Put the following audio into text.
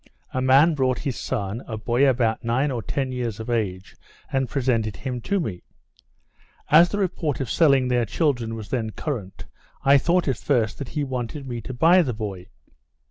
A man brought his son, a boy about nine or ten years of age, and presented him to me. As the report of selling their children was then current, I thought, at first, that he wanted me to buy the boy.